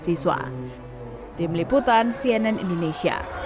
dari kabupaten memajang menerima para mahasiswa